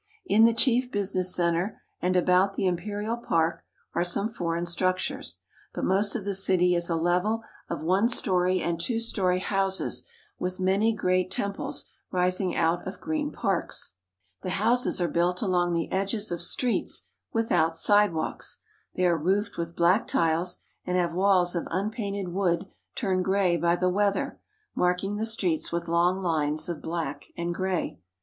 In the chief business center and about the Imperial Park are some foreign structures, TOKYO 37 but most of the city is a level of one story and two story houses with many great temples rising out of green parks. We take a view of the city from one of the watch towers. The houses are built along the edges of streets without sidewalks. They are roofed with black tiles and have walls of unpainted wood turned gray by the weather, marking the streets with long lines of black and gray.